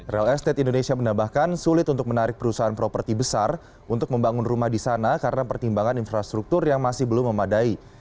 real estate indonesia menambahkan sulit untuk menarik perusahaan properti besar untuk membangun rumah di sana karena pertimbangan infrastruktur yang masih belum memadai